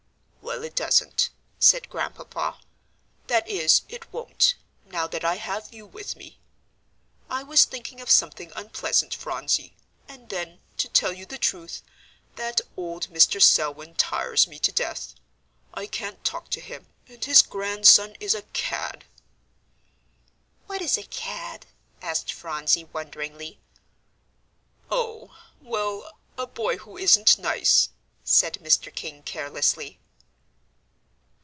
"Well, it doesn't," said Grandpapa; "that is it won't, now that I have you with me. I was thinking of something unpleasant, Phronsie, and then, to tell you the truth, that old Mr. Selwyn tires me to death. I can't talk to him, and his grandson is a cad." "What is a cad?" asked Phronsie, wonderingly. "Oh, well, a boy who isn't nice," said Mr. King, carelessly.